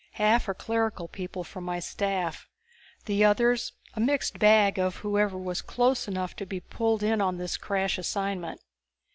Half are clerical people from my staff. The others a mixed bag of whoever was close enough to be pulled in on this crash assignment.